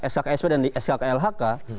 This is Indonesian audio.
sk ksp dan sk klhk